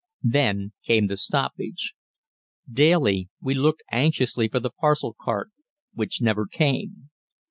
Then came the stoppage. Daily we looked anxiously for the parcel cart which never came.